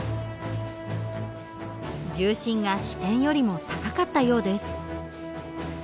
重心が支点よりも高かったようです。